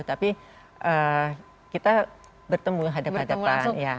tapi kita bertemu hadapan hadapan